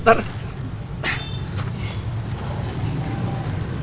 sudah lu nation change jadi god